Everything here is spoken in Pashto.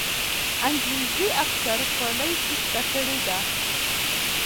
انګریزي افسر خولۍ ایسته کړې ده.